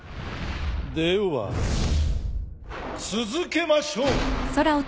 では続けましょう！